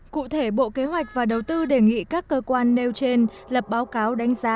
cụ thể bộ kế hoạch và đầu tư đề nghị các cơ quan nêu trên lập báo cáo đánh giá